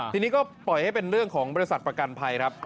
ทีนี้ก็ปล่อยให้เป็นเรื่องของบริษัทประกันภัยครับ